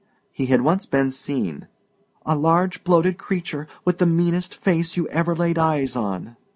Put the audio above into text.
He had once been seen "a large bloated creature with the meanest face you ever laid eyes on."